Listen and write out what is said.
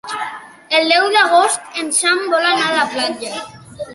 El deu d'agost en Sam vol anar a la platja.